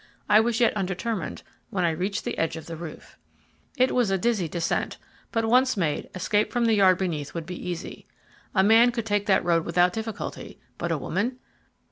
I was yet undetermined when I reached the edge of the roof. It was a dizzy descent, but once made, escape from the yard beneath would be easy. A man could take that road without difficulty; but a woman!